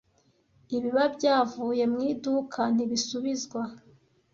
ibiba byavuye mwiduka ntibisubizwa